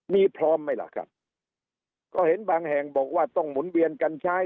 มีพร้อมไหมล่ะครับก็เห็นบางแห่งบอกว่าต้องหมุนเวียนกันใช้